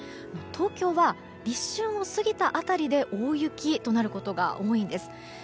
東京は、立春を過ぎた辺りで大雪となることが多いんです。